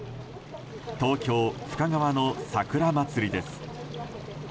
東京・深川のさくらまつりです。